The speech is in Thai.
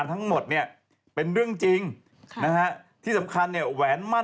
ทั้งหมดเนี่ยเป็นเรื่องจริงค่ะนะฮะที่สำคัญเนี่ยแหวนมั่น